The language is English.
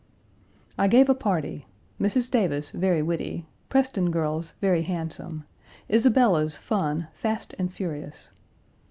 I gave a party; Mrs. Davis very witty; Preston girls very handsome; Isabella's fun fast and furious.